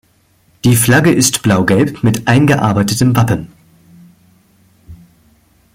Die Flagge ist blau–gelb mit eingearbeitetem Wappen.